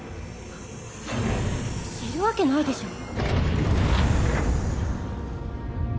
知るわけないでしょ